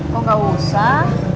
kok gak usah